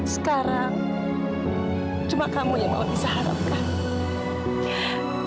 sekarang cuma kamu yang mau bisa harapkan